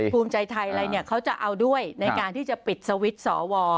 ภูมิใจไทยเธอก็เอาด้วยในการที่จะปิดสวิทย์สว